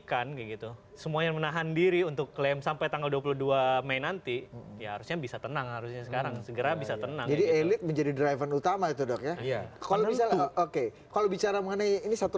para pendukungnya kita akan bahas itu